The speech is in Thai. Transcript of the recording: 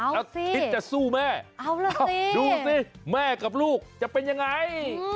แล้วสิคิดจะสู้แม่ดูสิแม่กับลูกจะเป็นยังไง